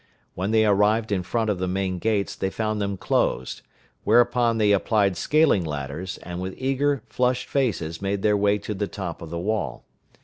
When they arrived in front of the main gates they found them closed; whereupon they applied scaling ladders, and with eager, flushed faces made their way to the top of the wall.